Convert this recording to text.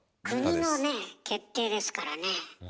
国のね決定ですからね。